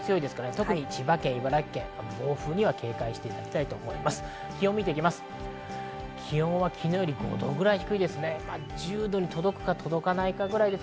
特に千葉県、茨城県は暴風に警戒していただきたいです。